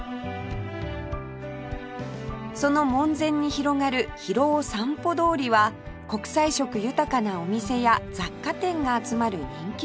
その門前に広がる広尾散歩通りは国際色豊かなお店や雑貨店が集まる人気スポット